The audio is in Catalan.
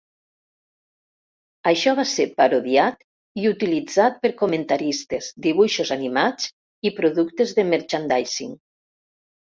Això va ser parodiat i utilitzat per comentaristes, dibuixos animats i productes de merchandising.